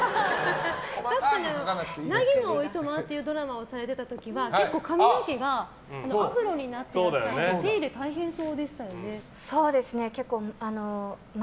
確かに「凪のお暇」っていうドラマをされてた時は結構、髪の毛がアフロになっていてお手入れが大変そうでしたね。